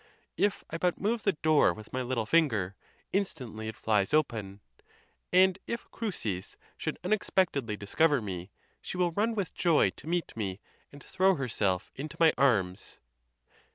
If I but move the door with my little finger, instantly it flies open; and if Chrysis should unexpectedly discover me, she will run with joy to meet me, and throw herself into my arms."